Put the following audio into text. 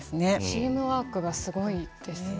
チームワークがすごいですよね。